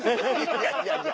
いやいやいや。